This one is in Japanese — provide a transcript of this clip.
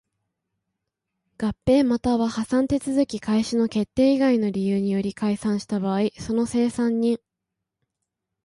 合併又は破産手続開始の決定以外の理由により解散した場合その清算人